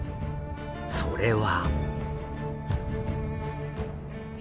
それは。